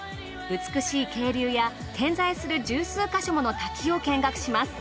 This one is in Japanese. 美しい渓流や点在する十数か所もの滝を見学します。